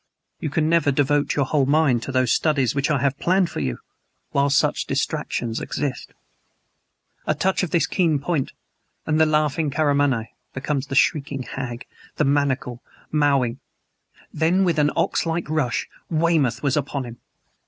You can never devote your whole mind to those studies which I have planned for you whilst such distractions exist. A touch of this keen point, and the laughing Karamaneh becomes the shrieking hag the maniacal, mowing " Then, with an ox like rush, Weymouth was upon him!